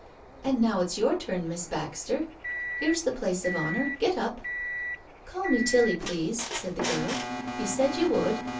" And now it's your turn, Miss Baxter. Here's the place of honour — get up." " Call me Tilly, please," said the girl, " you said you would.